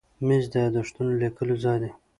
مېز د یاداښتونو لیکلو ځای دی.